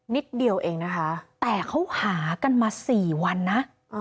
นิดเดียวเองนะคะแต่เขาหากันมา๔วันนะ